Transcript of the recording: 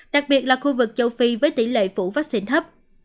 đặc biệt là khu vực châu phi với tỷ lệ phủ vaccine thấp